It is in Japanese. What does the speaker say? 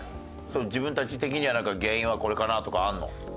自分たち的には原因はこれかなとかあるの？